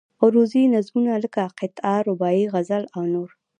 عروضي نظمونه لکه قطعه، رباعي، غزل او نور.